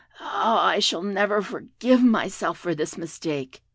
Ah, I shall never forgive myself for this mistake!"